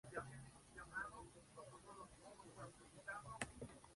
Los restos del palacio principal forman el centro de la ciudad.